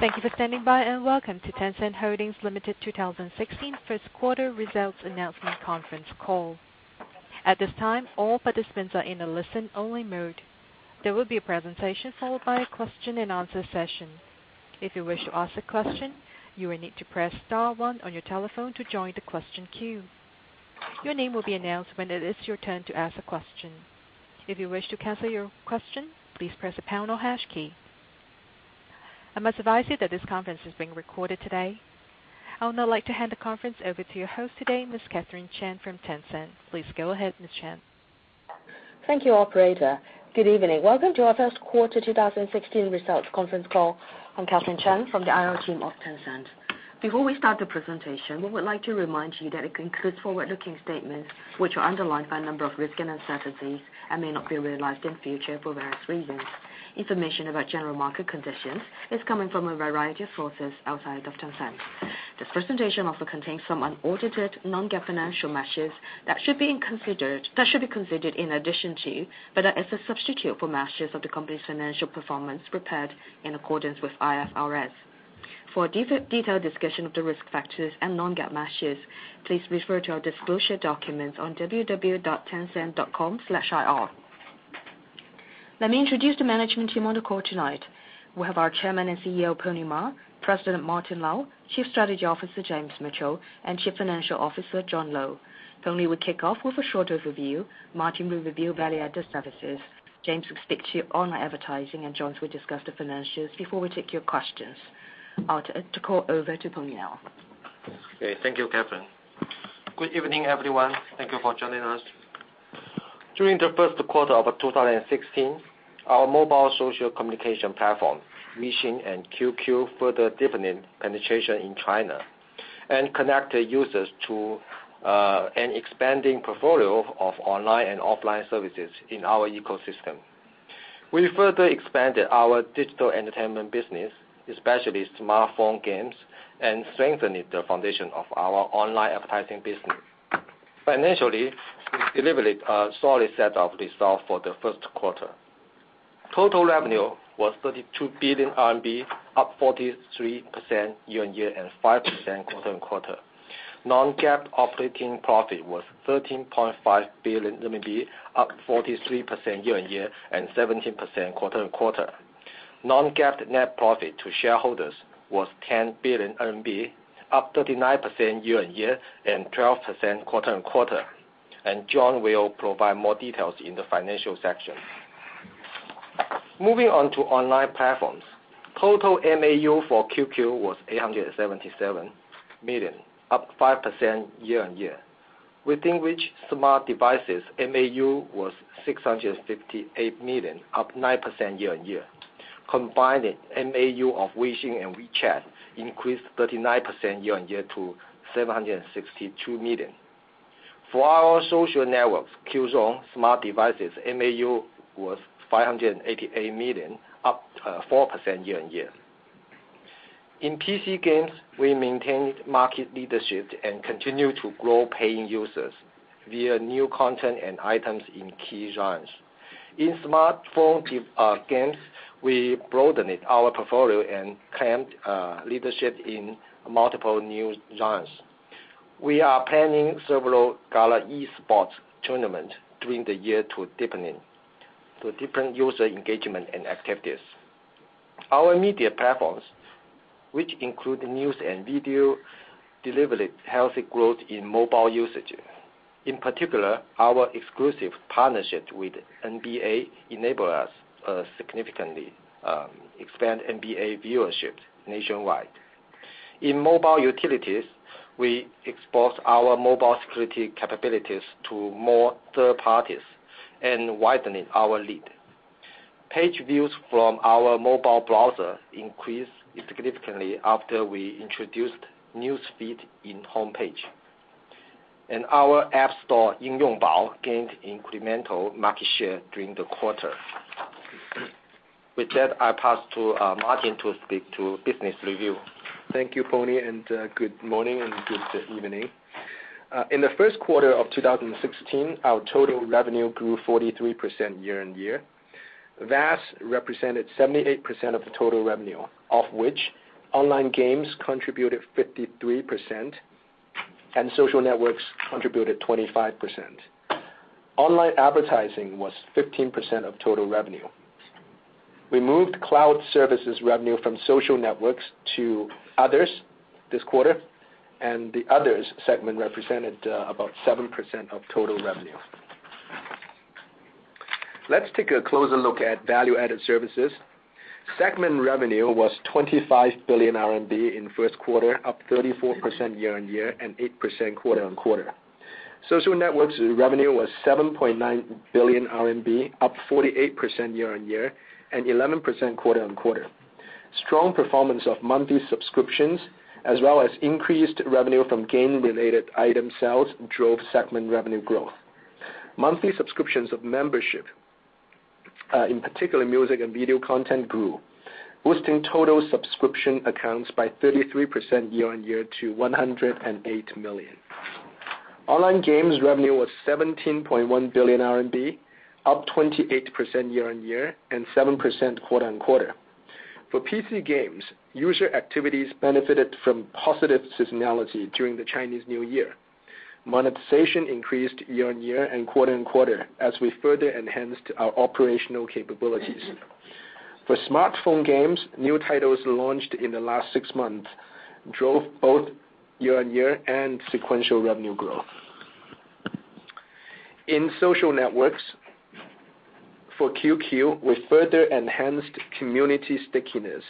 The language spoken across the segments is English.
Thank you for standing by, welcome to Tencent Holdings Limited 2016 first quarter results announcement conference call. At this time, all participants are in a listen only mode. There will be a presentation followed by a question and answer session. If you wish to ask a question, you will need to press star one on your telephone to join the question queue. Your name will be announced when it is your turn to ask a question. If you wish to cancel your question, please press the pound or hash key. I must advise you that this conference is being recorded today. I would now like to hand the conference over to your host today, Ms. Catherine Chan from Tencent. Please go ahead, Ms. Chan. Thank you, operator. Good evening. Welcome to our first quarter 2016 results conference call. I am Catherine Chan from the IR team of Tencent. Before we start the presentation, we would like to remind you that it includes forward-looking statements, which are underlined by a number of risks and uncertainties and may not be realized in future for various reasons. Information about general market conditions is coming from a variety of sources outside of Tencent. This presentation also contains some unaudited, non-GAAP financial measures that should be considered in addition to, but as a substitute for, measures of the company's financial performance prepared in accordance with IFRS. For a detailed discussion of the risk factors and non-GAAP measures, please refer to our disclosure documents on www.tencent.com/IR. Let me introduce the management team on the call tonight. We have our Chairman and CEO, Ma Huateng, President Martin Lau, Chief Strategy Officer James Mitchell, and Chief Financial Officer John Lo. Pony will kick off with a short overview. Martin will review value-added services. James will speak to online advertising, John will discuss the financials before we take your questions. I will turn the call over to Pony now. Okay. Thank you, Catherine. Good evening, everyone. Thank you for joining us. During the first quarter of 2016, our mobile social communication platform, Weixin and QQ, further deepened penetration in China and connected users to an expanding portfolio of online and offline services in our ecosystem. We further expanded our digital entertainment business, especially smartphone games, and strengthened the foundation of our online advertising business. Financially, we delivered a solid set of results for the first quarter. Total revenue was 32 billion RMB, up 43% year-on-year and 5% quarter-on-quarter. Non-GAAP operating profit was 13.5 billion RMB, up 34% year-on-year and 17% quarter-on-quarter. Non-GAAP net profit to shareholders was 10 billion RMB, up 39% year-on-year and 12% quarter-on-quarter. John will provide more details in the financial section. Moving on to online platforms. Total MAU for QQ was 877 million, up 5% year-on-year. Within which smart devices MAU was 658 million, up 9% year-on-year. Combined MAU of Weixin and WeChat increased 39% year-on-year to 762 million. For our social networks, Qzone smart devices MAU was 588 million, up 4% year-on-year. In PC games, we maintained market leadership and continued to grow paying users via new content and items in key genres. In smartphone games, we broadened our portfolio and claimed leadership in multiple new genres. We are planning several gala e-sports tournaments during the year to deepen user engagement and activities. Our media platforms, which include news and video, delivered healthy growth in mobile usage. In particular, our exclusive partnership with NBA enabled us to significantly expand NBA viewership nationwide. In mobile utilities, we exposed our mobile security capabilities to more third parties and widened our lead. Page views from our mobile browser increased significantly after we introduced Newsfeed in Homepage. Our app store, Yingyongbao, gained incremental market share during the quarter. With that, I pass to Martin to speak to business review. Thank you, Pony, and good morning and good evening. In the first quarter of 2016, our total revenue grew 43% year-on-year. VAS represented 78% of the total revenue, of which online games contributed 53% and social networks contributed 25%. Online advertising was 15% of total revenue. We moved cloud services revenue from social networks to others this quarter, and the others segment represented about 7% of total revenue. Let's take a closer look at value-added services. Segment revenue was 25 billion RMB in the first quarter, up 34% year-on-year and 8% quarter-on-quarter. Social networks revenue was 7.9 billion RMB, up 48% year-on-year and 11% quarter-on-quarter. Strong performance of monthly subscriptions as well as increased revenue from game-related item sales drove segment revenue growth. Monthly subscriptions of membership In particular, music and video content grew, boosting total subscription accounts by 33% year-on-year to 108 million. Online games revenue was 17.1 billion RMB, up 28% year-on-year and 7% quarter-on-quarter. For PC games, user activities benefited from positive seasonality during the Chinese New Year. Monetization increased year-on-year and quarter-on-quarter as we further enhanced our operational capabilities. For smartphone games, new titles launched in the last six months drove both year-on-year and sequential revenue growth. In social networks for QQ, we further enhanced community stickiness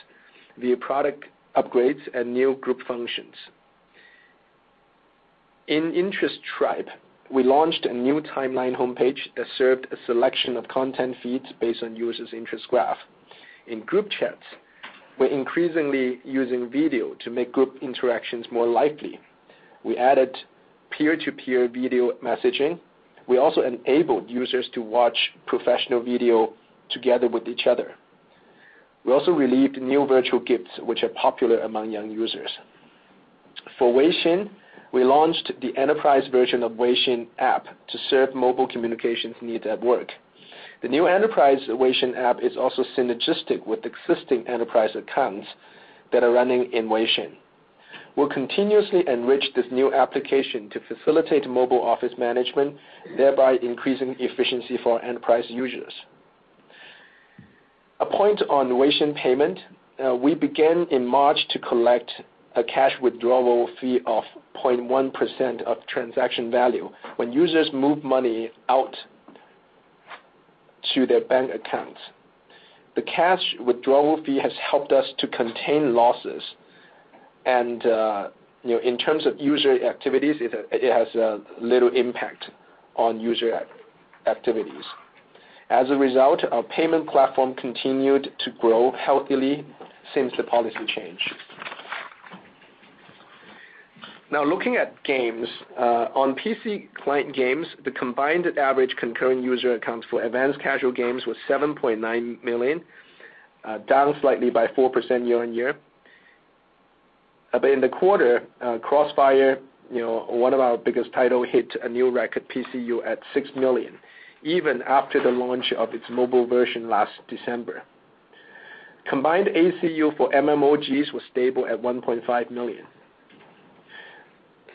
via product upgrades and new group functions. In Interest Tribe, we launched a new timeline homepage that served a selection of content feeds based on users' interest graph. In group chats, we're increasingly using video to make group interactions more likely. We added peer-to-peer video messaging. We also enabled users to watch professional video together with each other. We also released new virtual gifts which are popular among young users. For Weixin, we launched the enterprise version of Weixin app to serve mobile communications needs at work. The new Enterprise WeChat app is also synergistic with existing enterprise accounts that are running in Weixin. We'll continuously enrich this new application to facilitate mobile office management, thereby increasing efficiency for our enterprise users. A point on Weixin payment, we began in March to collect a cash withdrawal fee of 0.1% of transaction value when users move money out to their bank accounts. The cash withdrawal fee has helped us to contain losses, and in terms of user activities, it has a little impact on user activities. As a result, our payment platform continued to grow healthily since the policy change. Looking at games. On PC client games, the combined average concurrent user accounts for advanced casual games was 7.9 million, down slightly by 4% year-on-year. In the quarter, CrossFire, one of our biggest title, hit a new record PCU at 6 million, even after the launch of its mobile version last December. Combined ACU for MMOGs was stable at 1.5 million.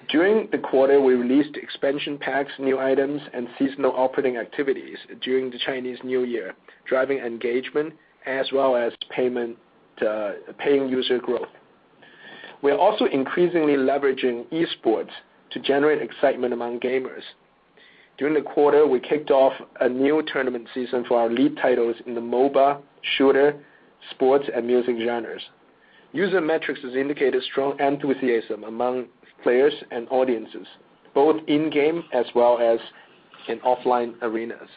During the quarter, we released expansion packs, new items, and seasonal operating activities during the Chinese New Year, driving engagement as well as paying user growth. We are also increasingly leveraging esports to generate excitement among gamers. During the quarter, we kicked off a new tournament season for our lead titles in the MOBA, shooter, sports, and music genres. User metrics has indicated strong enthusiasm among players and audiences, both in-game as well as in offline arenas.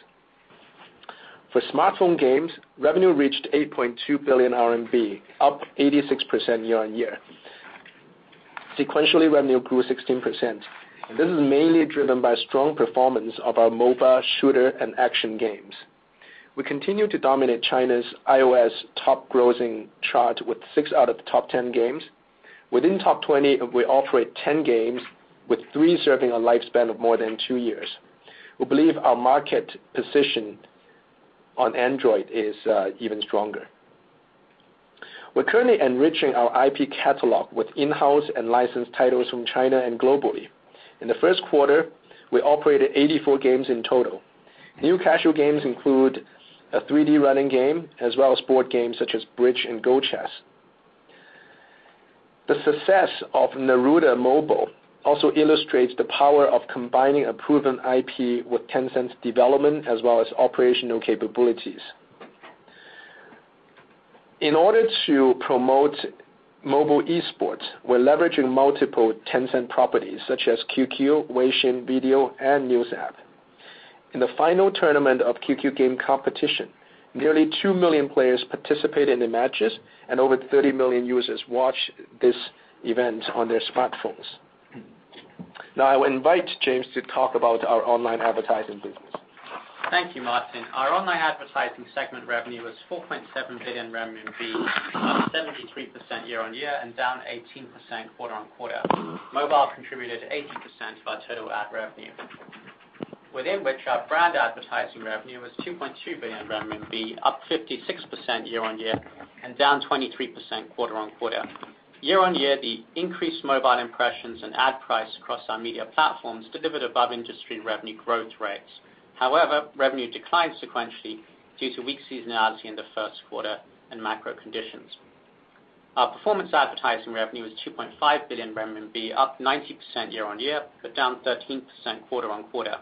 For smartphone games, revenue reached 8.2 billion RMB, up 86% year-on-year. Sequentially, revenue grew 16%. This is mainly driven by strong performance of our MOBA, shooter, and action games. We continue to dominate China's iOS top-grossing chart with six out of the top 10 games. Within top 20, we operate 10 games, with three serving a lifespan of more than two years. We believe our market position on Android is even stronger. We're currently enriching our IP catalog with in-house and licensed titles from China and globally. In the first quarter, we operated 84 games in total. New casual games include a 3D running game as well as board games such as Bridge and Go Chess. The success of Naruto Mobile also illustrates the power of combining a proven IP with Tencent's development as well as operational capabilities. In order to promote mobile esports, we're leveraging multiple Tencent properties such as QQ, Weixin, Tencent Video, and Tencent News App. In the final tournament of QQ game competition, nearly 2 million players participated in the matches and over 30 million users watched this event on their smartphones. I will invite James to talk about our online advertising business. Thank you, Martin. Our online advertising segment revenue was 4.7 billion renminbi, up 73% year-on-year and down 18% quarter-on-quarter. Mobile contributed 80% of our total ad revenue, within which our brand advertising revenue was 2.2 billion RMB, up 56% year-on-year and down 23% quarter-on-quarter. Year-on-year, the increased mobile impressions and ad price across our media platforms delivered above industry revenue growth rates. However, revenue declined sequentially due to weak seasonality in the first quarter and macro conditions. Our performance advertising revenue was 2.5 billion RMB, up 90% year-on-year, but down 13% quarter-on-quarter.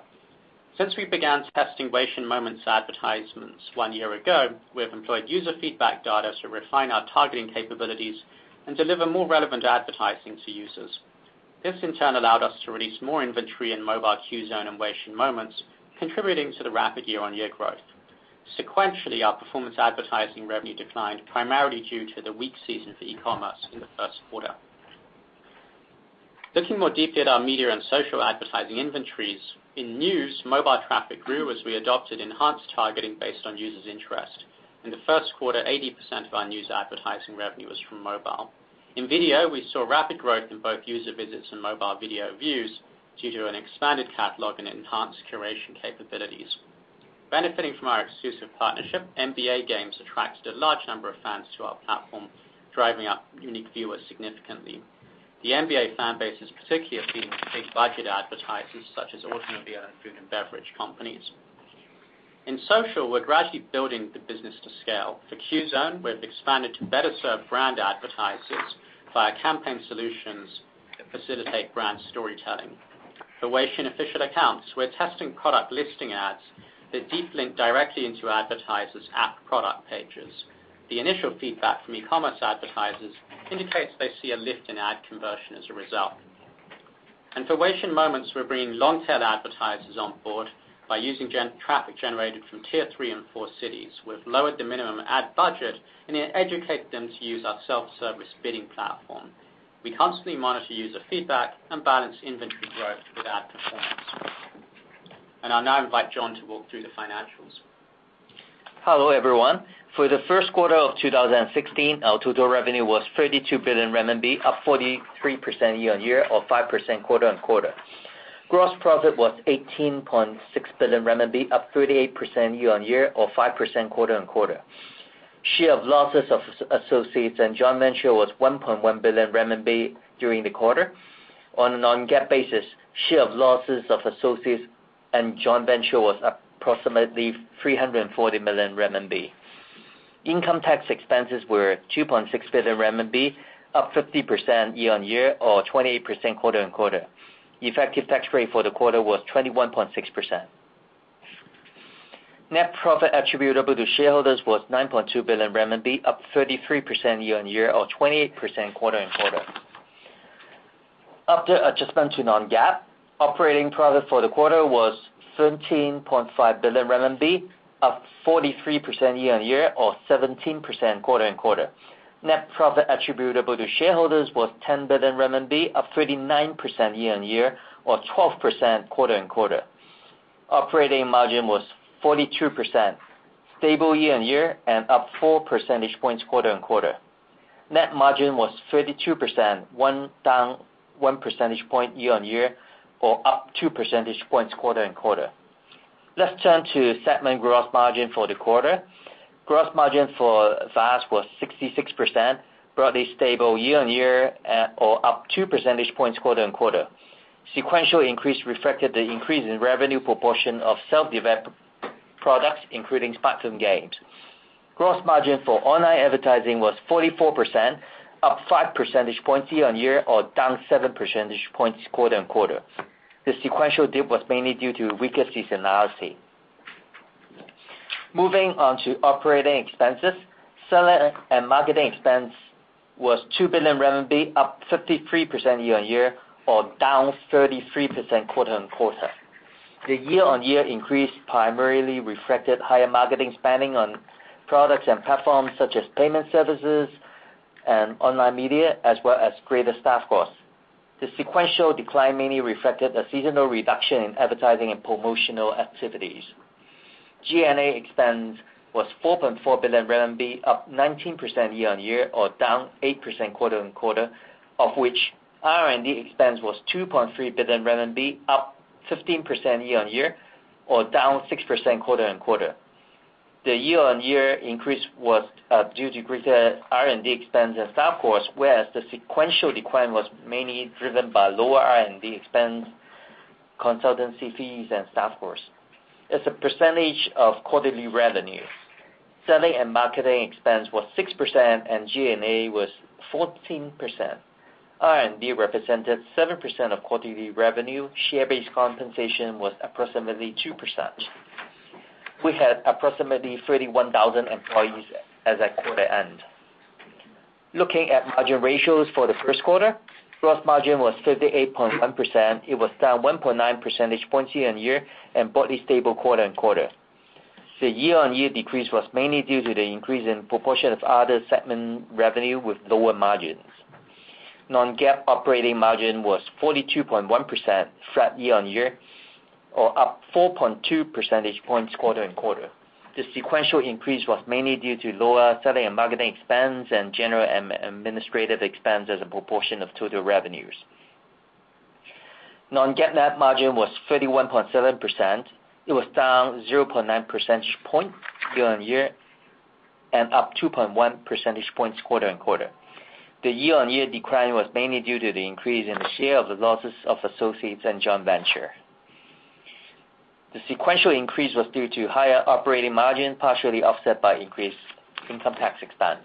Since we began testing Weixin Moments advertisements one year ago, we have employed user feedback data to refine our targeting capabilities and deliver more relevant advertising to users. This, in turn, allowed us to release more inventory in Mobile Qzone and Weixin Moments, contributing to the rapid year-on-year growth. Sequentially, our performance advertising revenue declined primarily due to the weak season for e-commerce in the first quarter. Looking more deeply at our media and social advertising inventories, in news, mobile traffic grew as we adopted enhanced targeting based on users' interest. In the first quarter, 80% of our news advertising revenue was from mobile. In video, we saw rapid growth in both user visits and mobile video views due to an expanded catalog and enhanced curation capabilities. Benefiting from our exclusive partnership, NBA Games attracted a large number of fans to our platform, driving up unique viewers significantly. The NBA fan base has particularly appealed to big-budget advertisers such as automobile and food and beverage companies. In social, we're gradually building the business to scale. For Qzone, we have expanded to better serve brand advertisers via campaign solutions that facilitate brand storytelling. For Weixin Official Accounts, we're testing product listing ads that deep link directly into advertisers' app product pages. The initial feedback from e-commerce advertisers indicates they see a lift in ad conversion as a result. For Weixin Moments, we're bringing long-tail advertisers on board by using traffic generated from tier 3 and 4 cities. We've lowered the minimum ad budget and educated them to use our self-service bidding platform. We constantly monitor user feedback and balance inventory growth with ad performance. I'll now invite John to walk through the financials. Hello, everyone. For the first quarter of 2016, our total revenue was 32 billion renminbi, up 43% year-on-year or 5% quarter-on-quarter. Gross profit was 18.6 billion renminbi, up 38% year-on-year or 5% quarter-on-quarter. Share of losses of associates and joint venture was 1.1 billion renminbi during the quarter. On a non-GAAP basis, share of losses of associates and joint venture was approximately 340 million RMB. Income tax expenses were 2.6 billion RMB, up 50% year-on-year or 28% quarter-on-quarter. Effective tax rate for the quarter was 21.6%. Net profit attributable to shareholders was 9.2 billion renminbi, up 33% year-on-year or 28% quarter-on-quarter. After adjustment to non-GAAP, operating profit for the quarter was 13.5 billion RMB, up 43% year-on-year or 17% quarter-on-quarter. Net profit attributable to shareholders was 10 billion RMB, up 39% year-on-year or 12% quarter-on-quarter. Operating margin was 42%, stable year-on-year and up four percentage points quarter-on-quarter. Net margin was 32%, down 1 percentage point year-on-year or up 2 percentage points quarter-on-quarter. Let's turn to segment gross margin for the quarter. Gross margin for VAS was 66%, broadly stable year-on-year or up 2 percentage points quarter-on-quarter. Sequential increase reflected the increase in revenue proportion of self-developed products, including smartphone games. Gross margin for online advertising was 44%, up 5 percentage points year-on-year or down 7 percentage points quarter-on-quarter. The sequential dip was mainly due to weaker seasonality. Moving on to operating expenses, selling and marketing expense was 2 billion RMB, up 53% year-on-year or down 33% quarter-on-quarter. The year-on-year increase primarily reflected higher marketing spending on products and platforms such as payment services and online media as well as greater staff costs. The sequential decline mainly reflected a seasonal reduction in advertising and promotional activities. G&A expense was 4.4 billion RMB, up 19% year-on-year or down 8% quarter-on-quarter. Of which R&D expense was 2.3 billion RMB, up 15% year-on-year or down 6% quarter-on-quarter. The year-on-year increase was due to greater R&D expense and staff costs, whereas the sequential decline was mainly driven by lower R&D expense, consultancy fees and staff costs. As a percentage of quarterly revenue, selling and marketing expense was 6% and G&A was 14%. R&D represented 7% of quarterly revenue. Share-based compensation was approximately 2%. We had approximately 31,000 employees as at quarter end. Looking at margin ratios for the first quarter, gross margin was 58.1%. It was down 1.9 percentage points year-on-year and broadly stable quarter-on-quarter. The year-on-year decrease was mainly due to the increase in proportion of other segment revenue with lower margins. Non-GAAP operating margin was 42.1%, flat year-on-year or up 4.2 percentage points quarter-on-quarter. The sequential increase was mainly due to lower selling and marketing expense and general administrative expense as a proportion of total revenues. Non-GAAP net margin was 31.7%. It was down 0.9 percentage points year-on-year and up 2.1 percentage points quarter-on-quarter. The year-on-year decline was mainly due to the increase in the share of the losses of associates and joint venture. The sequential increase was due to higher operating margin, partially offset by increased income tax expense.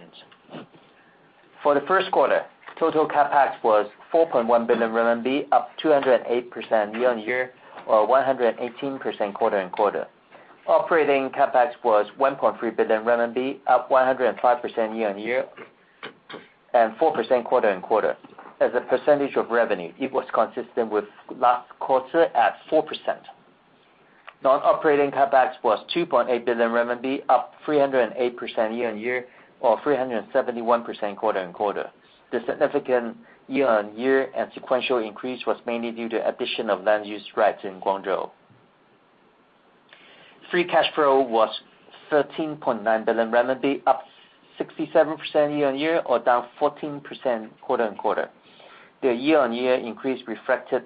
For the first quarter, total CapEx was 4.1 billion RMB, up 208% year-on-year or 118% quarter-on-quarter. Operating CapEx was 1.3 billion RMB, up 105% year-on-year and 4% quarter-on-quarter. As a percentage of revenue, it was consistent with last quarter at 4%. Non-operating CapEx was 2.8 billion RMB, up 308% year-on-year or 371% quarter-on-quarter. The significant year-on-year and sequential increase was mainly due to addition of land use rights in Guangzhou. Free cash flow was 13.9 billion renminbi, up 67% year-on-year or down 14% quarter-on-quarter. The year-on-year increase reflected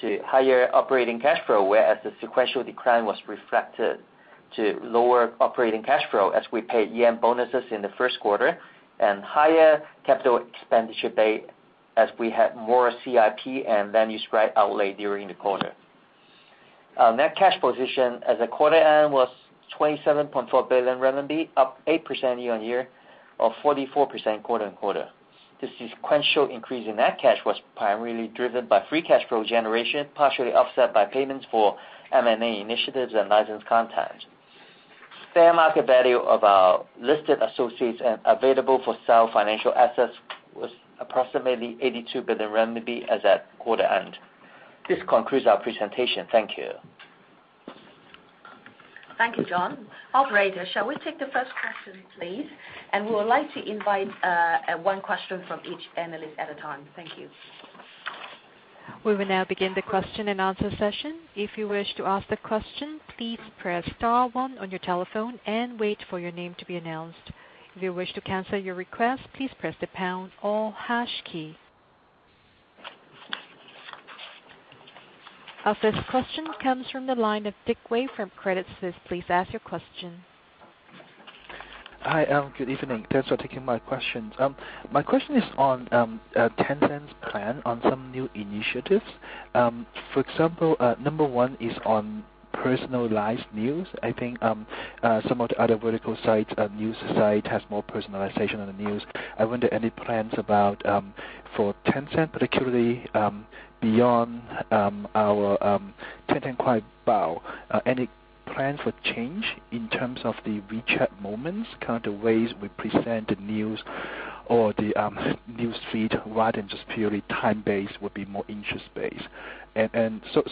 to higher operating cash flow, whereas the sequential decline was reflected to lower operating cash flow as we paid year-end bonuses in the first quarter and higher capital expenditure pay as we had more CIP and land use right outlay during the quarter. Our net cash position as at quarter end was 27.4 billion renminbi, up 8% year-on-year or 44% quarter-on-quarter. The sequential increase in net cash was primarily driven by free cash flow generation, partially offset by payments for M&A initiatives and license content. Fair market value of our listed associates and available-for-sale financial assets was approximately 82 billion renminbi as at quarter end. This concludes our presentation. Thank you. Thank you, John. Operator, shall we take the first question, please? We would like to invite one question from each analyst at a time. Thank you. We will now begin the question and answer session. If you wish to ask the question, please press star one on your telephone and wait for your name to be announced. If you wish to cancel your request, please press the pound or hash key. Our first question comes from the line of Dick Wei from Credit Suisse. Please ask your question. Hi, good evening. Thanks for taking my questions. My question is on Tencent's plan on some new initiatives. For example, number one is on personalized news. I think some of the other vertical news site has more personalization on the news. I wonder any plans about for Tencent, particularly beyond our Kuai Bao. Any plans for change in terms of the WeChat Moments, kind of ways we present the news or the newsfeed rather than just purely time-based would be more interest-based.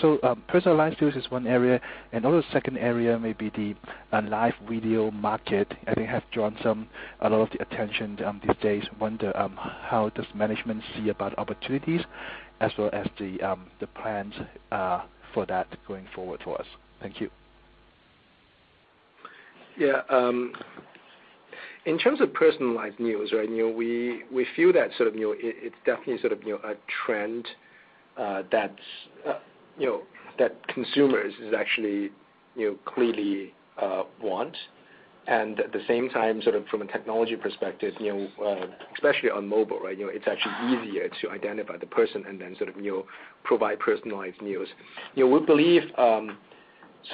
So personalized news is one area. Another second area may be the live video market, I think has drawn a lot of the attention these days. Wonder how does management see about opportunities as well as the plans for that going forward for us? Thank you. In terms of personalized news, we feel that it's definitely a trend that consumers actually clearly want. At the same time from a technology perspective, especially on mobile, it's actually easier to identify the person and then provide personalized news. We believe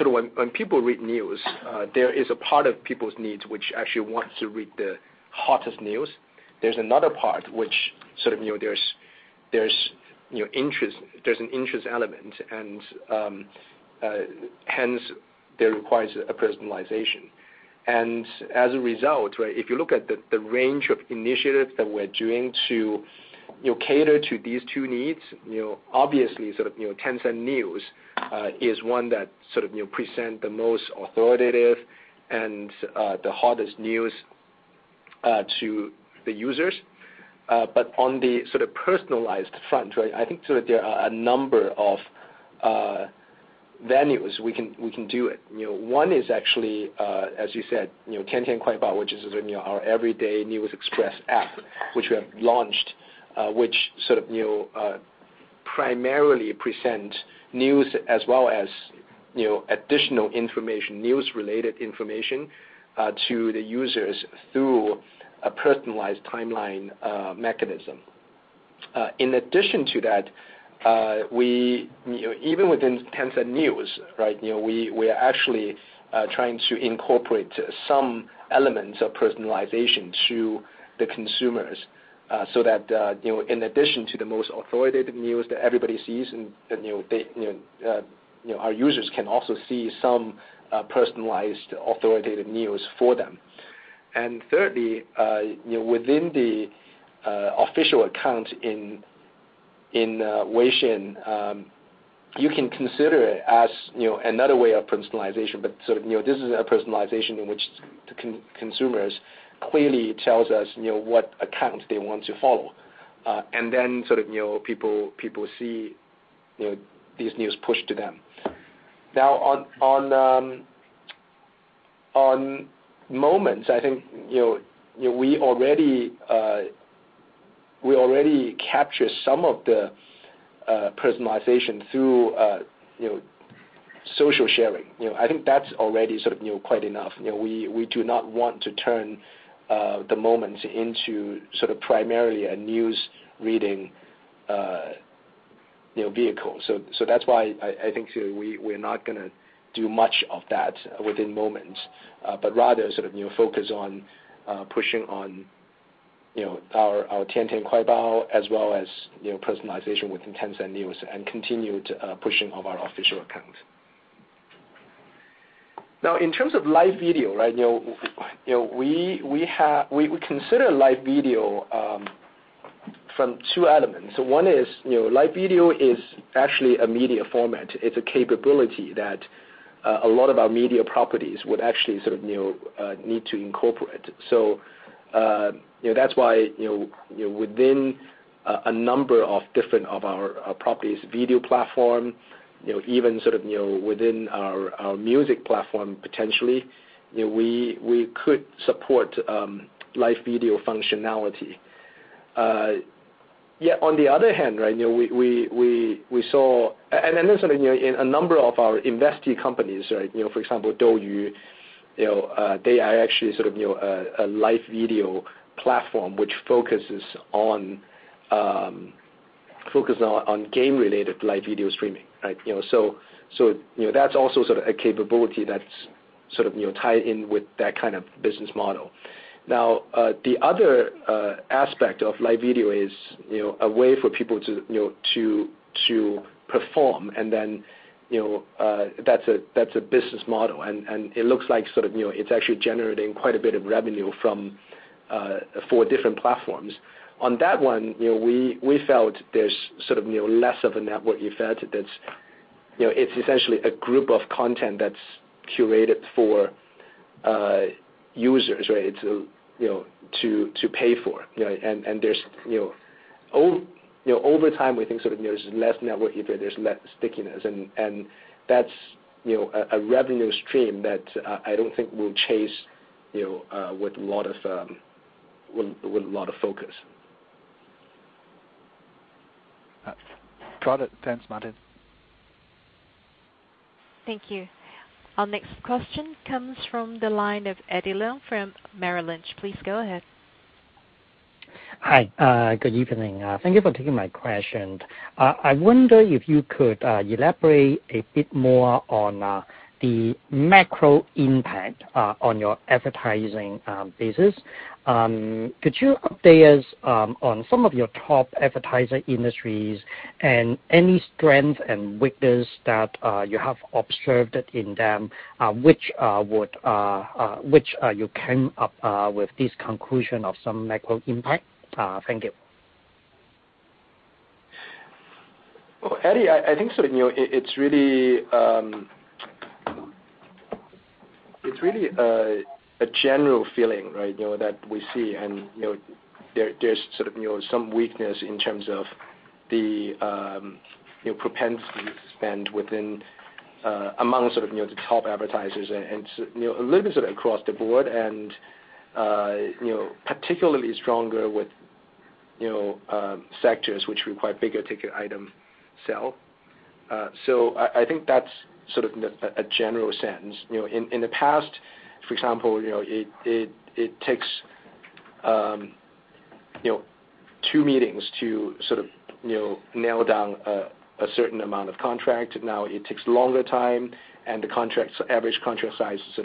when people read news, there is a part of people's needs which actually wants to read the hottest news. There's another part which there's an interest element, and hence, there requires a personalization. As a result, if you look at the range of initiatives that we're doing to cater to these two needs, obviously Tencent News is one that presents the most authoritative and the hottest news to the users. On the personalized front, I think there are a number of venues we can do it. One is actually, as you said, Kuai Bao, which is our Everyday News Express app, which we have launched, which primarily present news as well as additional news-related information to the users through a personalized timeline mechanism. In addition to that, even within Tencent News, we are actually trying to incorporate some elements of personalization to the consumers, so that in addition to the most authoritative news that everybody sees, our users can also see some personalized authoritative news for them. Thirdly, within the official account in Weixin, you can consider it as another way of personalization, but this is a personalization in which the consumers clearly tells us what accounts they want to follow. Then people see these news pushed to them. Now on Moments, I think we already captured some of the personalization through social sharing. I think that's already quite enough. We do not want to turn the Moments into primarily a news reading vehicle. That's why I think we're not going to do much of that within Moments. Rather focus on pushing on our Kuai Bao as well as personalization within Tencent News and continued pushing of our official account. In terms of live video, we consider live video from two elements. One is, live video is actually a media format. It's a capability that a lot of our media properties would actually need to incorporate. That's why, within a number of different of our properties video platform, even within our music platform, potentially, we could support live video functionality. Yet on the other hand, we saw in a number of our investee companies. For example, DouYu, they are actually sort of a live video platform which focuses on game-related live video streaming. That's also a capability that's tied in with that kind of business model. The other aspect of live video is, a way for people to perform, then that's a business model. It looks like it's actually generating quite a bit of revenue for different platforms. On that one, we felt there's less of a network effect. It's essentially a group of content that's curated for users to pay for. Over time, we think there's less network effect, there's less stickiness, and that's a revenue stream that I don't think we'll chase with a lot of focus. Got it. Thanks, Martin. Thank you. Our next question comes from the line of Eddie Leung from Merrill Lynch. Please go ahead. Hi. Good evening. Thank you for taking my question. I wonder if you could elaborate a bit more on the macro impact on your advertising business. Could you update us on some of your top advertiser industries and any strength and weakness that you have observed in them, which you came up with this conclusion of some macro impact? Thank you. Eddie, I think it's really a general feeling that we see, and there's some weakness in terms of the propensity to spend within amongst the top advertisers and a little bit across the board, and particularly stronger with sectors which require bigger ticket item sell. I think that's a general sense. In the past, for example, it takes two meetings to nail down a certain amount of contract. Now it takes longer time, and the average contract size is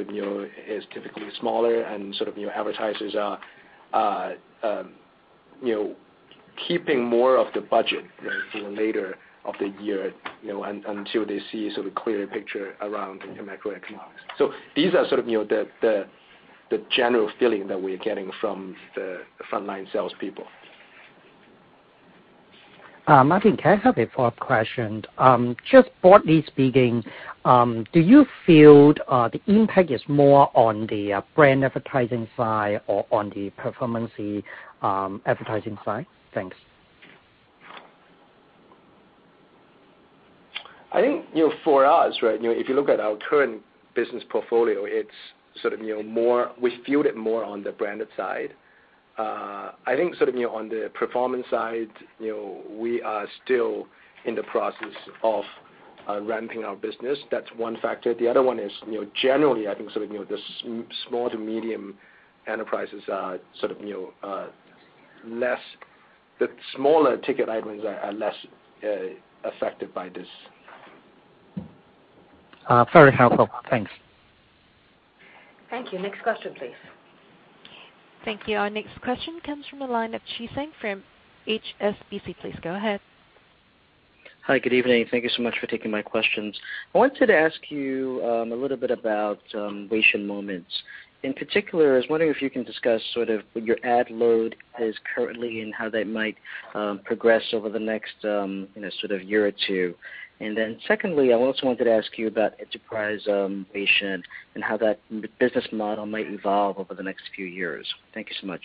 typically smaller and advertisers are keeping more of the budget for later of the year until they see sort of clearer picture around the macroeconomics. These are the general feeling that we're getting from the frontline salespeople. Martin, can I have a follow-up question? Just broadly speaking, do you feel the impact is more on the brand advertising side or on the performance advertising side? Thanks. I think, for us, if you look at our current business portfolio, we feel it more on the branded side. I think, on the performance side, we are still in the process of ramping our business. That's one factor. The other one is, generally, I think, the small to medium enterprises, the smaller ticket items are less affected by this. Very helpful. Thanks. Thank you. Next question, please. Thank you. Our next question comes from the line of Chi Tsang from HSBC. Please go ahead. Hi. Good evening. Thank you so much for taking my questions. I wanted to ask you a little bit about Weixin Moments. In particular, I was wondering if you can discuss sort of what your ad load is currently and how that might progress over the next one or two years. Secondly, I also wanted to ask you about Enterprise Weixin and how that business model might evolve over the next few years. Thank you so much.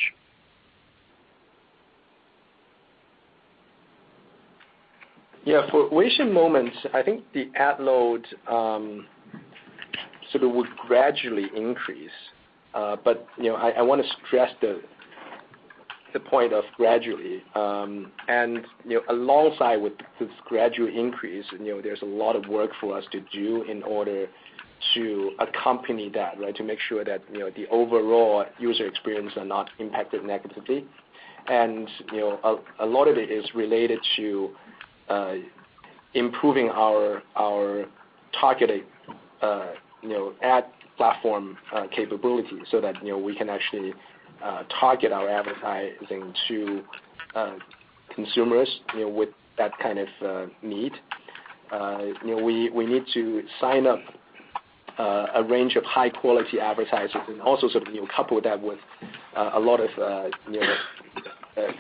For Weixin Moments, I think the ad load sort of would gradually increase. I want to stress the point of gradually, and alongside with this gradual increase, there's a lot of work for us to do in order to accompany that. To make sure that the overall user experience are not impacted negatively. A lot of it is related to improving our targeted ad platform capability so that we can actually target our advertising to consumers with that kind of need. We need to sign up a range of high-quality advertisers and also couple that with a lot of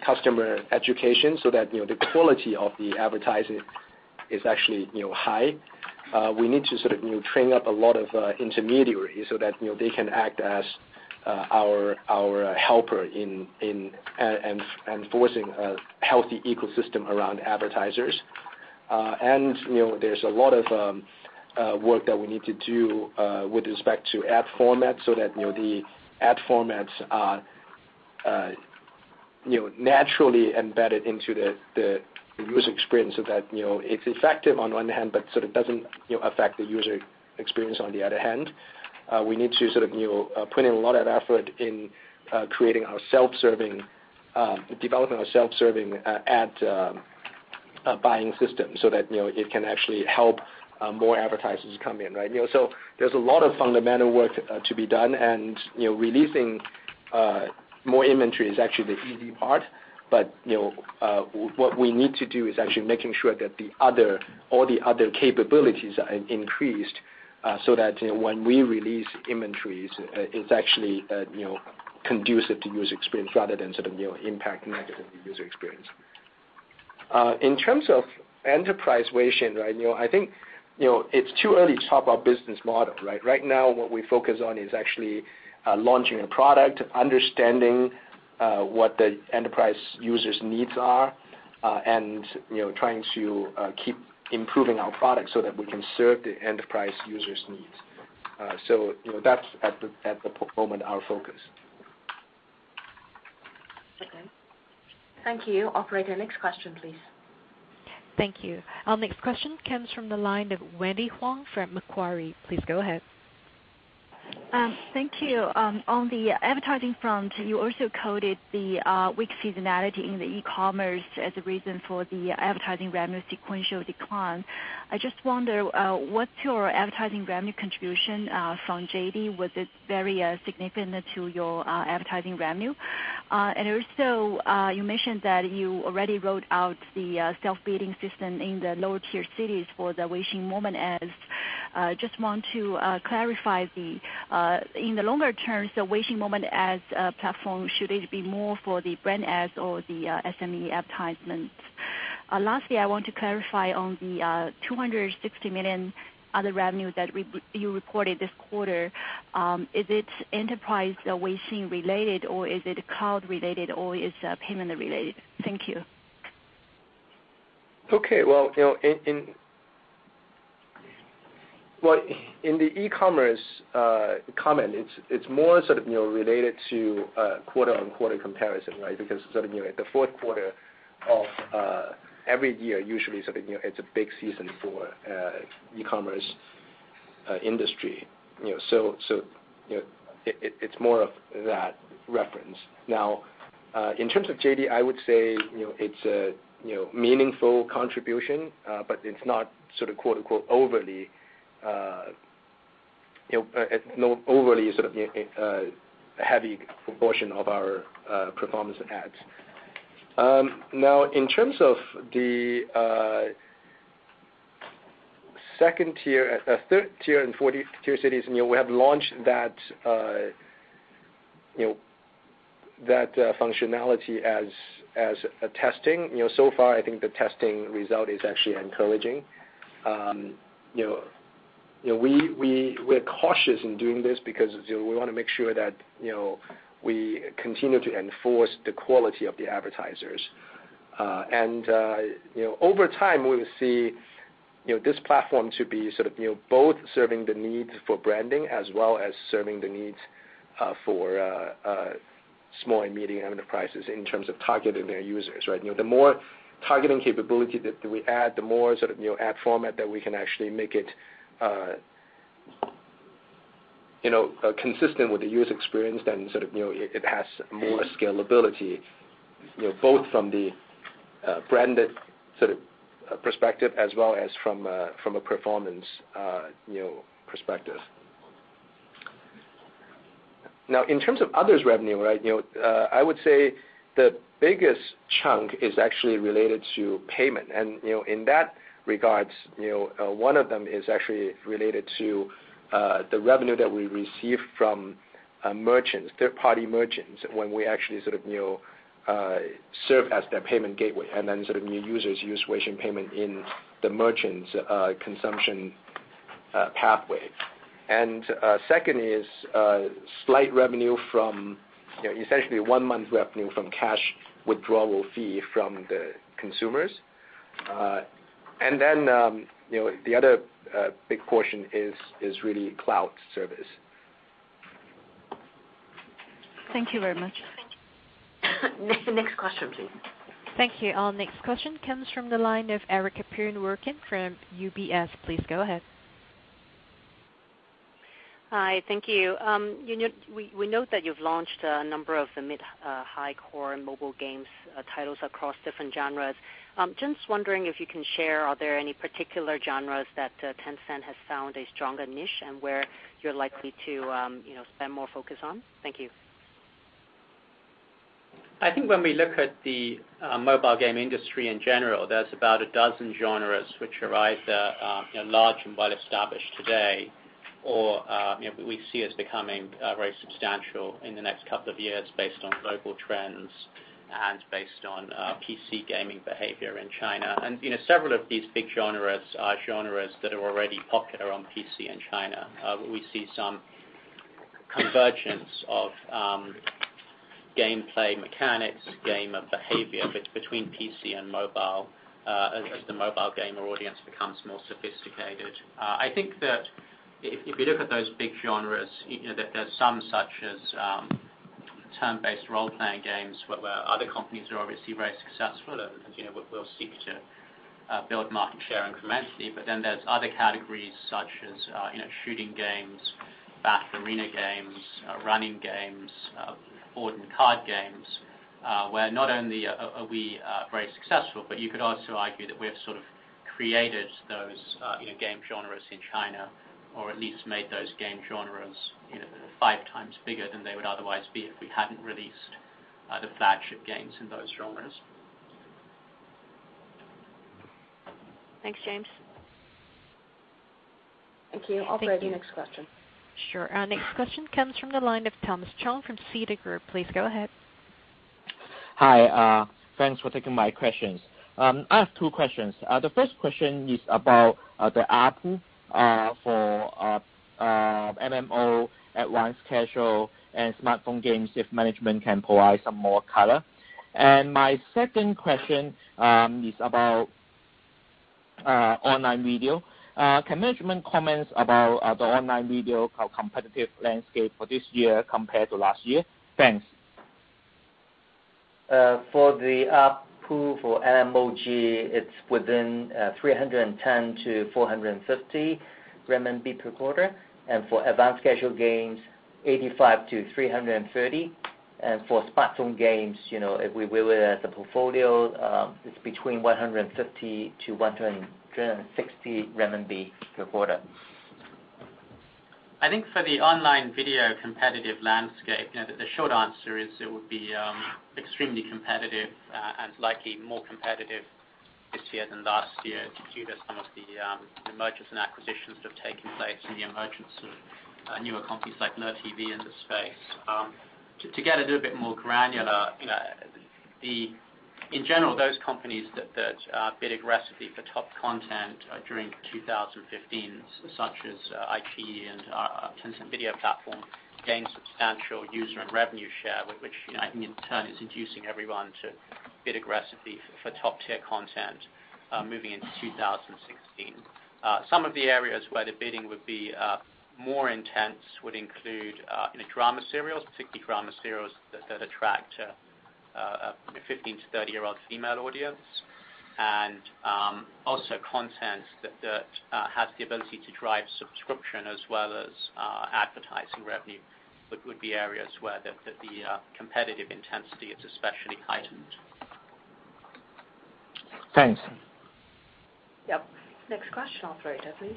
customer education so that the quality of the advertising is actually high. We need to train up a lot of intermediaries so that they can act as our helper in enforcing a healthy ecosystem around advertisers. There's a lot of work that we need to do with respect to ad format so that the ad formats are naturally embedded into the user experience, so that it's effective on one hand, but it doesn't affect the user experience on the other hand. We need to put in a lot of effort in creating our self-serving, developing our self-serving ad buying system so that it can actually help more advertisers come in. There's a lot of fundamental work to be done, and releasing more inventory is actually the easy part. What we need to do is actually making sure that all the other capabilities are increased so that when we release inventories, it's actually conducive to user experience rather than impact negatively user experience. In terms of Enterprise WeChat, I think, it's too early to talk about business model, right? Right now, what we focus on is actually launching a product, understanding what the enterprise users' needs are, and trying to keep improving our product so that we can serve the enterprise users' needs. That's at the moment our focus. Okay. Thank you. Operator, next question, please. Thank you. Our next question comes from the line of Wendy Huang from Macquarie. Please go ahead. Thank you. On the advertising front, you also quoted the weak seasonality in the e-commerce as a reason for the advertising revenue sequential decline. I just wonder, what's your advertising revenue contribution from JD.com? Was it very significant to your advertising revenue? Also, you mentioned that you already rolled out the self-bidding system in the lower-tier cities for the Weixin Moment Ads. Just want to clarify, in the longer term, the Weixin Moment Ads platform, should it be more for the brand ads or the SME advertisements? Lastly, I want to clarify on the 260 million other revenue that you reported this quarter. Is it Enterprise WeChat related, or is it cloud related, or is it payment related? Thank you. Well, in the e-commerce comment, it's more sort of related to quarter-on-quarter comparison, right? Because the fourth quarter of every year usually it's a big season for e-commerce industry. It's more of that reference. In terms of JD.com, I would say, it's a meaningful contribution, but it's not sort of quote unquote overly a heavy proportion of our performance ads. In terms of the 3rd tier and 4th tier cities, we have launched that functionality as a testing. So far, I think the testing result is actually encouraging. We're cautious in doing this because we want to make sure that we continue to enforce the quality of the advertisers. Over time, we will see this platform to be sort of both serving the needs for branding as well as serving the needs for small and medium enterprises in terms of targeting their users, right? The more targeting capability that we add, the more ad format that we can actually make it consistent with the user experience, then it has more scalability, both from the branded sort of perspective as well as from a performance perspective. In terms of others revenue, I would say the biggest chunk is actually related to payment. In that regards, one of them is actually related to the revenue that we receive from merchants, third-party merchants, when we actually sort of serve as their payment gateway, and then sort of new users use Weixin Pay in the merchant's consumption pathway. Second is slight revenue from, essentially one-month revenue from cash withdrawal fee from the consumers. The other big portion is really cloud service. Thank you very much. Next question, please. Thank you. Our next question comes from the line of Erica Poon-Rorke from UBS. Please go ahead. Hi, thank you. We note that you've launched a number of the mid, high-core mobile games titles across different genres. Just wondering if you can share, are there any particular genres that Tencent has found a stronger niche and where you're likely to spend more focus on? Thank you. I think when we look at the mobile game industry in general, there's about a dozen genres which are either large and well-established today, or we see as becoming very substantial in the next couple of years based on global trends and based on PC gaming behavior in China. Several of these big genres are genres that are already popular on PC in China. We see some convergence of gameplay mechanics, game behavior between PC and mobile as the mobile gamer audience becomes more sophisticated. I think that if you look at those big genres, that there's some such as turn-based role-playing games where other companies are obviously very successful, and we'll seek to build market share incrementally. There's other categories such as shooting games, battle arena games, running games, board and card games, where not only are we very successful, but you could also argue that we have sort of created those game genres in China or at least made those game genres five times bigger than they would otherwise be if we hadn't released the flagship games in those genres. Thanks, James. Thank you. Operator, next question. Sure. Next question comes from the line of Thomas Chong from Citigroup. Please go ahead. Hi. Thanks for taking my questions. I have two questions. The first question is about the ARPU for MMO, advanced casual, and smartphone games, if management can provide some more color. My second question is about online video. Can management comment about the online video competitive landscape for this year compared to last year? Thanks. For the ARPU for MMOG, it's within 310-450 RMB per quarter. For advanced casual games, 85-330. For smartphone games, if we look at the portfolio, it's between 150-160 RMB per quarter. I think for the online video competitive landscape, the short answer is it would be extremely competitive and likely more competitive this year than last year due to some of the mergers and acquisitions that have taken place and the emergence of newer companies like LeTV in the space. To get a little bit more granular, in general, those companies that bid aggressively for top content during 2015, such as iQIYI and Tencent Video platform, gained substantial user and revenue share, which I think in turn is inducing everyone to bid aggressively for top-tier content moving into 2016. Some of the areas where the bidding would be more intense would include drama serials, particularly drama serials that attract a 15- to 30-year-old female audience, and also content that has the ability to drive subscription as well as advertising revenue would be areas where the competitive intensity is especially heightened. Thanks. Yep. Next question, operator, please.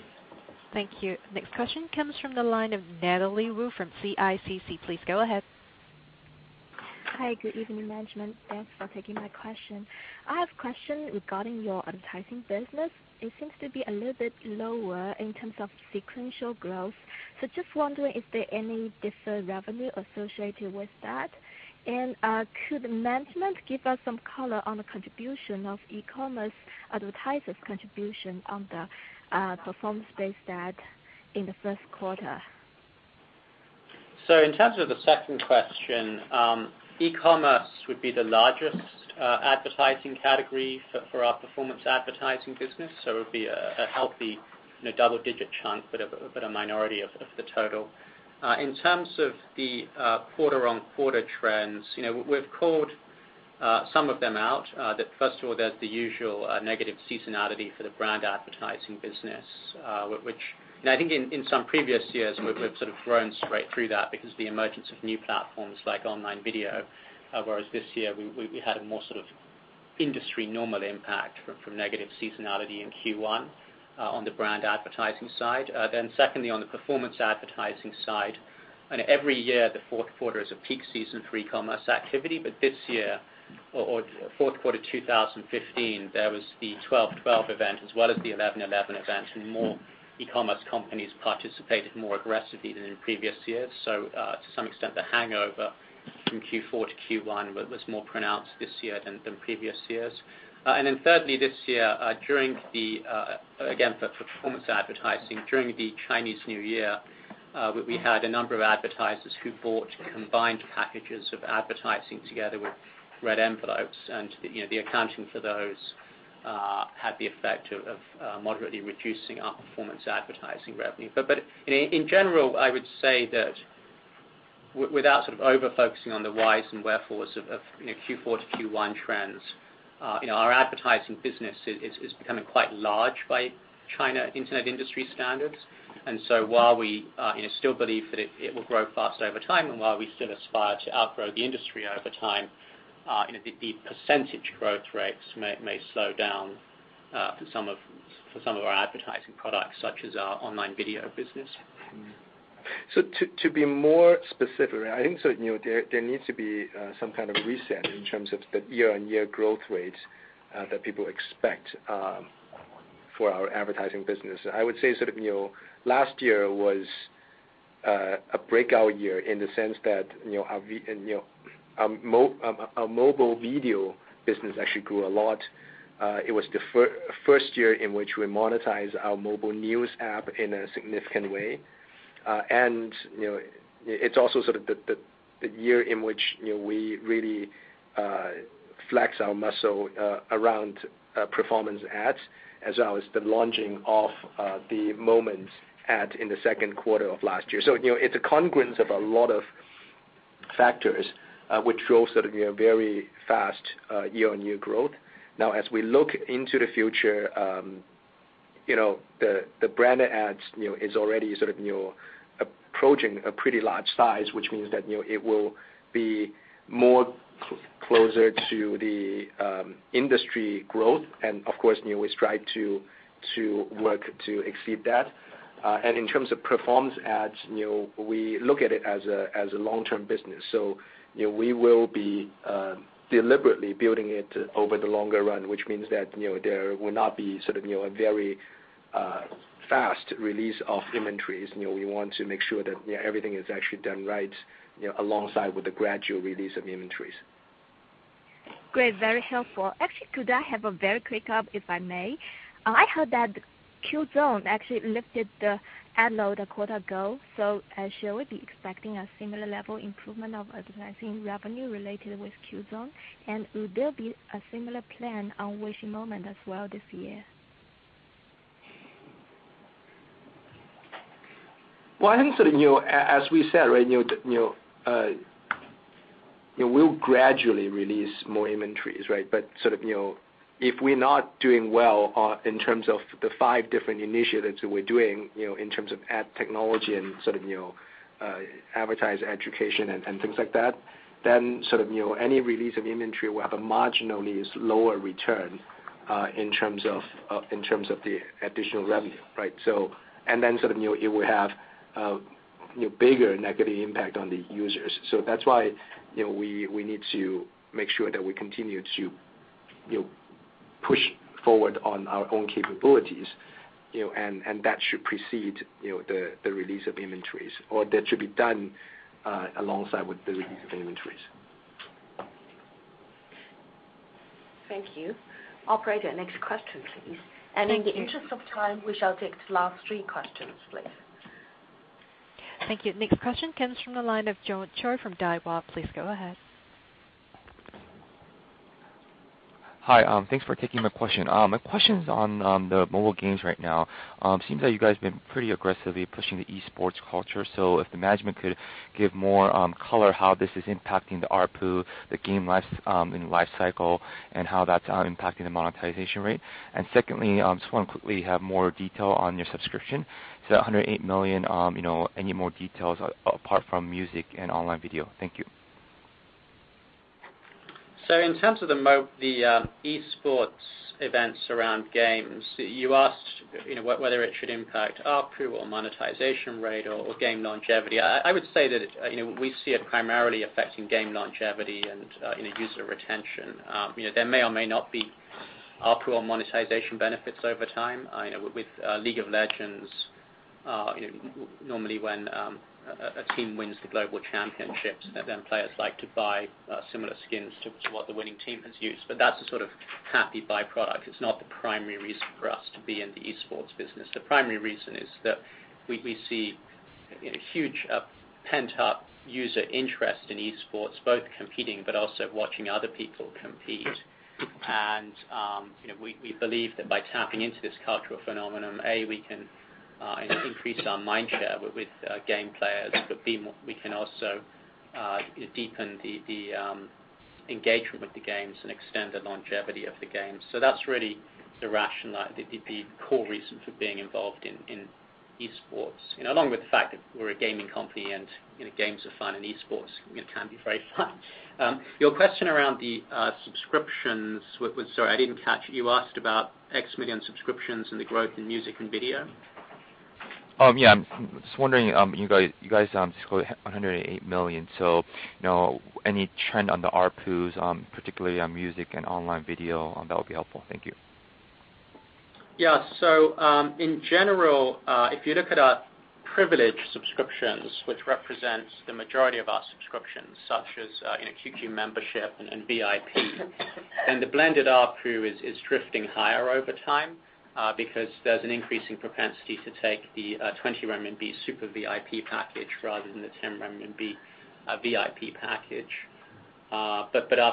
Thank you. Next question comes from the line of Natalie Wu from CICC. Please go ahead. Hi. Good evening, management. Thanks for taking my question. I have a question regarding your advertising business. It seems to be a little bit lower in terms of sequential growth. Just wondering if there any different revenue associated with that. Could management give us some color on the contribution of e-commerce advertisers contribution on the performance-based ad in the first quarter? In terms of the second question, e-commerce would be the largest advertising category for our performance advertising business. It would be a healthy double-digit chunk, but a minority of the total. In terms of the quarter-on-quarter trends, we've called some of them out. First of all, there's the usual negative seasonality for the brand advertising business, which I think in some previous years we've sort of grown straight through that because the emergence of new platforms like online video. Whereas this year we had a more sort of industry normal impact from negative seasonality in Q1 on the brand advertising side. Secondly, on the performance advertising side, every year the fourth quarter is a peak season for e-commerce activity, but this year or fourth quarter 2015, there was the 1212 event as well as the 1111 event, and more e-commerce companies participated more aggressively than in previous years. To some extent, the hangover from Q4 to Q1 was more pronounced this year than previous years. Thirdly, this year, again for performance advertising during the Chinese New Year, we had a number of advertisers who bought combined packages of advertising together with red envelopes, and the accounting for those had the effect of moderately reducing our performance advertising revenue. In general, I would say that without sort of over-focusing on the whys and wherefores of Q4 to Q1 trends, our advertising business is becoming quite large by China internet industry standards. While we still believe that it will grow faster over time and while we still aspire to outgrow the industry over time, the percentage growth rates may slow down for some of our advertising products, such as our online video business. To be more specific, I think there needs to be some kind of reset in terms of the year-on-year growth rates that people expect for our advertising business. I would say last year was a breakout year in the sense that our mobile video business actually grew a lot. It was the first year in which we monetized our mobile news app in a significant way. It's also sort of the year in which we really flex our muscle around performance ads, as well as the launching of the Moments ad in the second quarter of last year. It's a confluence of a lot of factors, which drove very fast year-on-year growth. Now, as we look into the future, the brand ads is already approaching a pretty large size, which means that it will be more closer to the industry growth. Of course, we strive to work to exceed that. In terms of performance ads, we look at it as a long-term business. We will be deliberately building it over the longer run, which means that there will not be a very fast release of inventories. We want to make sure that everything is actually done right alongside with the gradual release of inventories. Great. Very helpful. Actually, could I have a very quick up, if I may? I heard that Qzone actually lifted the ad load a quarter ago. Should we be expecting a similar level improvement of advertising revenue related with Qzone? Will there be a similar plan on Weixin Moments as well this year? Well, I think as we said, we'll gradually release more inventories. If we're not doing well in terms of the five different initiatives that we're doing in terms of ad technology and advertiser education and things like that, then any release of inventory will have a marginally lower return in terms of the additional revenue. It will have bigger negative impact on the users. That's why we need to make sure that we continue to push forward on our own capabilities, and that should precede the release of inventories or that should be done alongside with the release of inventories. Thank you. Operator, next question, please. In the interest of time, we shall take the last three questions, please. Thank you. Next question comes from the line of John Choi from Daiwa. Please go ahead. Hi, thanks for taking my question. My question's on the mobile games right now. Seems like you guys have been pretty aggressively pushing the esports culture. If the management could give more color how this is impacting the ARPU, the game life and life cycle, and how that's impacting the monetization rate. Secondly, just want to quickly have more detail on your subscription. 108 million, any more details apart from music and online video? Thank you. In terms of the esports events around games, you asked whether it should impact ARPU or monetization rate or game longevity. I would say that we see it primarily affecting game longevity and user retention. There may or may not be ARPU or monetization benefits over time. With League of Legends, normally when a team wins the global championships, then players like to buy similar skins to what the winning team has used. That's a sort of happy byproduct. It's not the primary reason for us to be in the esports business. The primary reason is that we see a huge pent-up user interest in esports, both competing but also watching other people compete. We believe that by tapping into this cultural phenomenon, A, we can increase our mind share with game players. B, we can also deepen the engagement with the games and extend the longevity of the games. That's really the rationale, the core reason for being involved in esports. Along with the fact that we're a gaming company and games are fun and esports can be very fun. Your question around the subscriptions, sorry, I didn't catch, you asked about RMB X million subscriptions and the growth in music and video? Yeah, I'm just wondering, you guys just quoted 108 million. Any trend on the ARPUs, particularly on music and online video, that would be helpful. Thank you. In general, if you look at our privileged subscriptions, which represents the majority of our subscriptions, such as QQ membership and VIP, the blended ARPU is drifting higher over time because there's an increasing propensity to take the 20 RMB super VIP package rather than the 10 RMB VIP package. Our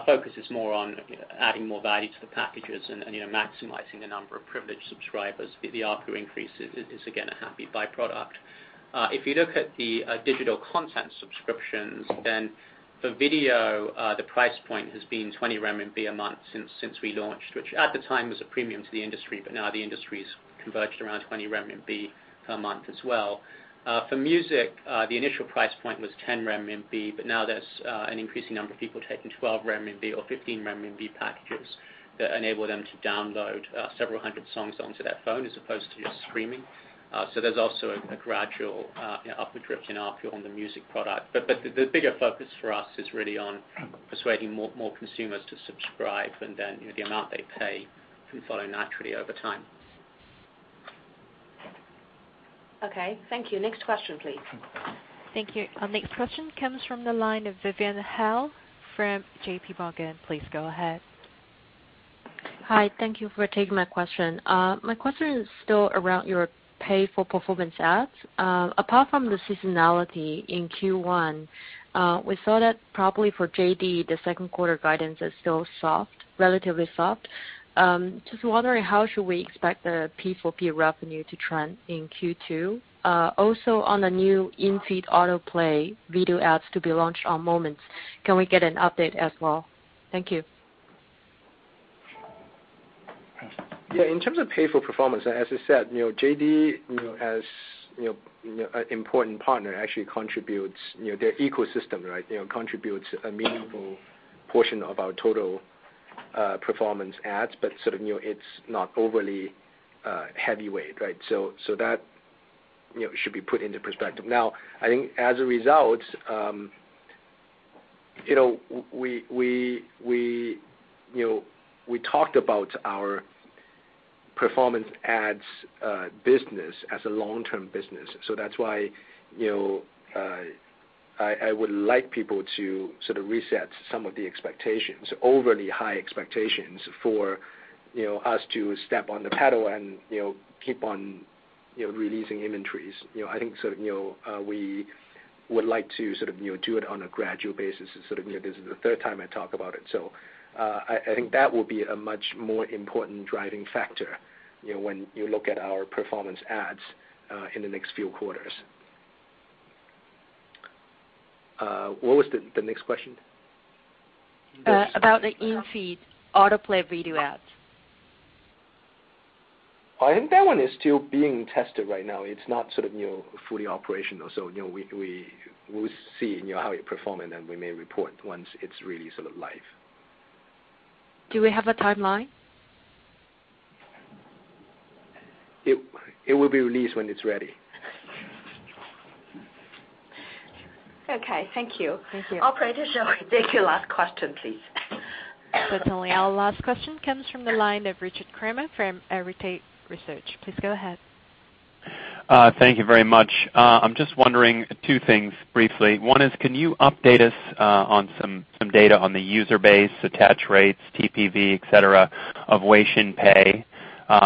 focus is more on adding more value to the packages and maximizing the number of privileged subscribers. The ARPU increase is again, a happy byproduct. If you look at the digital content subscriptions, for video, the price point has been 20 RMB a month since we launched, which at the time was a premium to the industry, but now the industry's converged around 20 RMB per month as well. For music, the initial price point was 10 RMB, now there's an increasing number of people taking 12 RMB or 15 RMB packages that enable them to download several hundred songs onto their phone as opposed to just streaming. There's also a gradual upward drift in ARPU on the music product. The bigger focus for us is really on persuading more consumers to subscribe, and then the amount they pay can follow naturally over time. Thank you. Next question, please. Thank you. Our next question comes from the line of Vivian Hao from JPMorgan. Please go ahead. Hi. Thank you for taking my question. My question is still around your pay-for-performance ads. Apart from the seasonality in Q1, we saw that probably for JD.com, the second quarter guidance is still relatively soft. Just wondering how should we expect the P4P revenue to trend in Q2? Also, on the new in-feed autoplay video ads to be launched on Moments, can we get an update as well? Thank you. Yeah. In terms of pay for performance, as I said, JD.com, as an important partner, their ecosystem contributes a meaningful portion of our total performance ads, sort of it's not overly heavyweight. That should be put into perspective. Now, I think as a result, we talked about our performance ads business as a long-term business. That's why, I would like people to sort of reset some of the overly high expectations for us to step on the pedal and keep on releasing inventories. I think we would like to sort of do it on a gradual basis, sort of this is the third time I talk about it. I think that will be a much more important driving factor, when you look at our performance ads, in the next few quarters. What was the next question? About the in-feed autoplay video ads. I think that one is still being tested right now. It's not sort of fully operational. We'll see how it perform, and then we may report once it's really sort of live. Do we have a timeline? It will be released when it's ready. Okay. Thank you. Thank you. Operator, shall we take the last question, please? Certainly. Our last question comes from the line of Richard Kramer from Arete Research. Please go ahead. Thank you very much. I'm just wondering two things briefly. One is can you update us on some data on the user base, attach rates, TPV, et cetera, of Weixin Pay?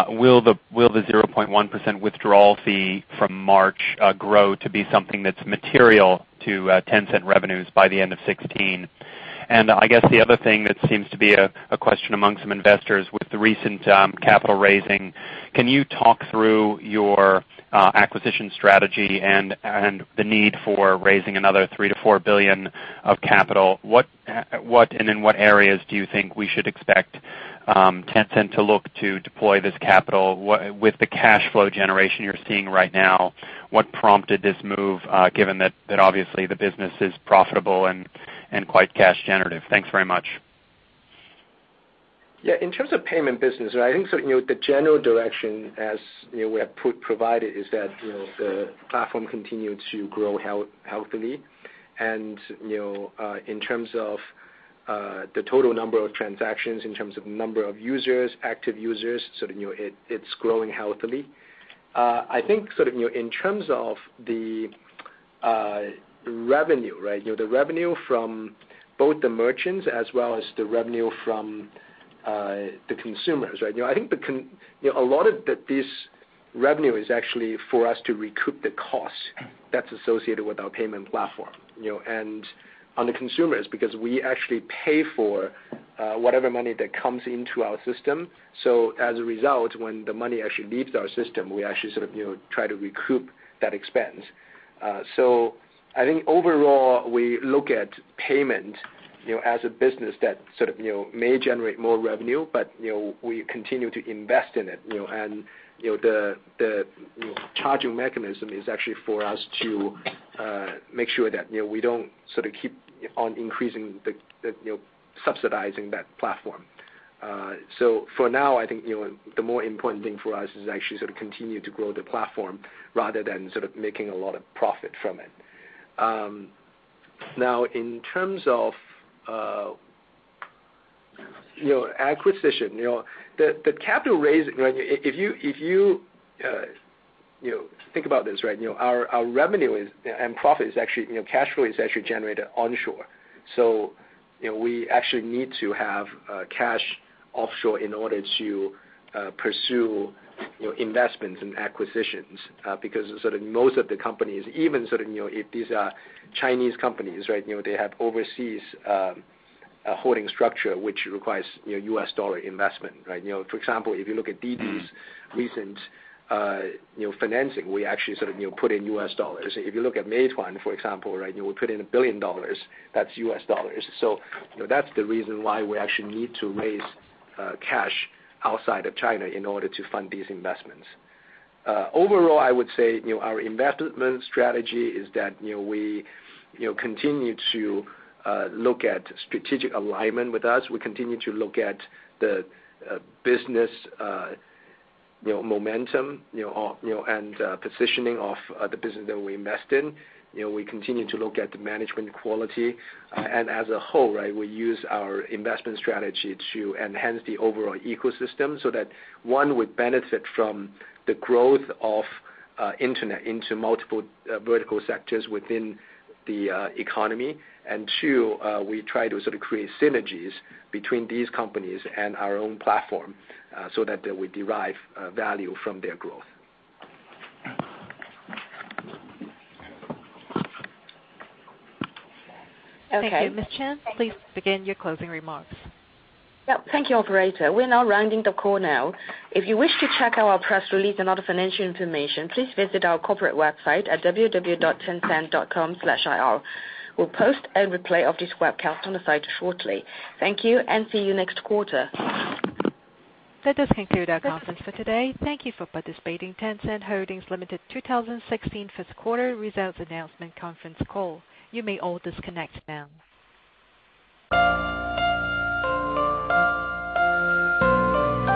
Will the 0.1% withdrawal fee from March grow to be something that's material to Tencent revenues by the end of 2016? I guess the other thing that seems to be a question among some investors with the recent capital raising, can you talk through your acquisition strategy and the need for raising another 3 billion-4 billion of capital? What and in what areas do you think we should expect Tencent to look to deploy this capital? With the cash flow generation you're seeing right now, what prompted this move, given that obviously the business is profitable and quite cash generative? Thanks very much. Yeah. In terms of payment business, I think sort of the general direction as we have provided is that the platform continued to grow healthily, and in terms of the total number of transactions, in terms of number of active users, sort of it's growing healthily. I think sort of in terms of the revenue from both the merchants as well as the revenue from the consumers, I think a lot of this revenue is actually for us to recoup the cost that's associated with our payment platform. On the consumers, because we actually pay for whatever money that comes into our system, so as a result, when the money actually leaves our system, we actually sort of try to recoup that expense. I think overall, we look at payment as a business that sort of may generate more revenue, but we continue to invest in it. The charging mechanism is actually for us to make sure that we don't sort of keep on increasing the subsidizing that platform. For now, I think the more important thing for us is actually sort of continue to grow the platform rather than sort of making a lot of profit from it. In terms of acquisition, if you think about this, our revenue and profit, cash flow is actually generated onshore. We actually need to have cash offshore in order to pursue investments and acquisitions, because sort of most of the companies, even sort of if these are Chinese companies, they have overseas holding structure, which requires US dollar investment. For example, if you look at Didi's recent financing, we actually sort of put in US dollars. If you look at Meituan, for example, we put in $1 billion. That's US dollars. That's the reason why we actually need to raise cash outside of China in order to fund these investments. Overall, I would say our investment strategy is that we continue to look at strategic alignment with us. We continue to look at the business momentum and positioning of the business that we invest in. We continue to look at the management quality. As a whole, we use our investment strategy to enhance the overall ecosystem so that, one, we benefit from the growth of internet into multiple vertical sectors within the economy. Two, we try to sort of create synergies between these companies and our own platform so that they will derive value from their growth. Okay. Thank you. Ms. Chan, please begin your closing remarks. Thank you, operator. We're now rounding the call now. If you wish to check our press release and other financial information, please visit our corporate website at www.tencent.com/ir. We'll post a replay of this webcast on the site shortly. Thank you, and see you next quarter. That does conclude our conference for today. Thank you for participating Tencent Holdings Limited 2016 First Quarter Results Announcement Conference Call. You may all disconnect now.